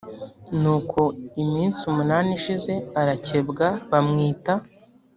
nuko iminsi munani ishize arakebwa bamwita